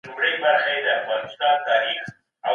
زمونږ هيواد کولای سي په کرنه کي ځان بسيا سي.